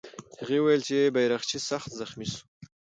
هغه وویل چې بیرغچی سخت زخمي سو.